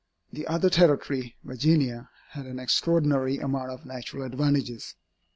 The other territory, Virginia, had an extraordinary amount of natural advantages.